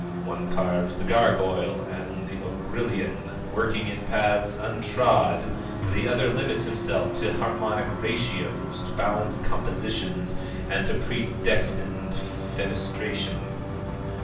One carves the gargoyle and ogrillion, working in paths untrod, the other limits himself to harmonic ratios, balanced compositions, and to predestined fenestration.